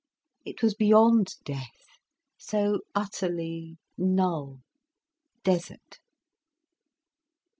It was beyond death, so utterly null, desert.